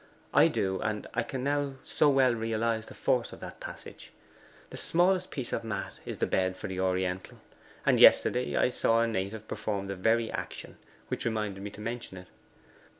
I do, and I can now so well realize the force of that passage. The smallest piece of mat is the bed of the Oriental, and yesterday I saw a native perform the very action, which reminded me to mention it.